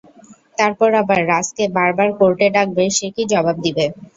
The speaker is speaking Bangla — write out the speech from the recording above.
তারপর আবার রাজ-কে বারবার কোর্টে ডাকবে সে কী জবাব দিবে?